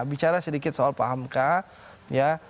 bicara sedikit soal pak hamka